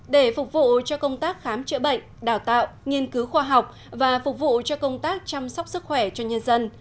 để phục vụ cho công tác khám chữa bệnh đào tạo nghiên cứu khoa học và phục vụ cho công tác chăm sóc sức khỏe cho nhân dân